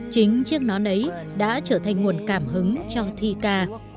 chính chiếc nón ấy đã trở thành nguồn cảm hứng cho thi ca